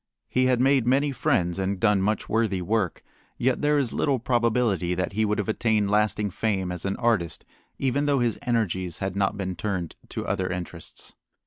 He had made many friends and done much worthy work, yet there is little probability that he would have attained lasting fame as an artist even though his energies had not been turned to other interests.